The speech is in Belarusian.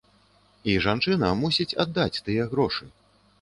І жанчына мусіць аддаць тыя грошы.